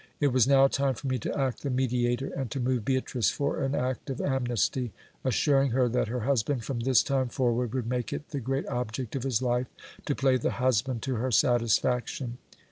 It was now time for me to act the mediator, and to move Beatrice for an act of amnesty, assuring her that her husband from this time forward would make it the great object of his life to play the husband to her satisfaction.